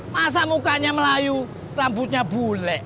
masa mukanya melayu rambutnya bule